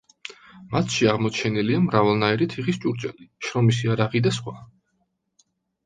მათში აღმოჩენილია მრავალნაირი თიხის ჭურჭელი, შრომის იარაღი და სხვა.